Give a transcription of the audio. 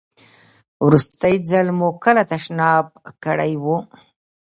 وروستی ځل مو کله تشناب کړی و؟